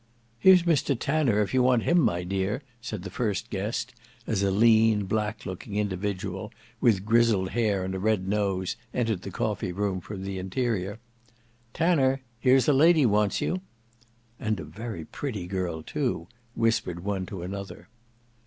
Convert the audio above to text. "Here's Mr Tanner, if you want him, my dear." said the first guest, as a lean black looking individual, with grizzled hair and a red nose, entered the coffee room from the interior. "Tanner, here's a lady wants you." "And a very pretty girl too," whispered one to another.